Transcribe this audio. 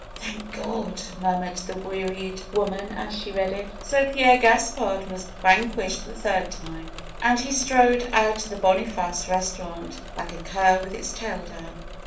Thank God!" murmured the wearied woman as she read it. So Pierre Gaspard was vanquished the third time. FAITH 279 And he strode out of the Boniface restaurant like a cur with its tail down.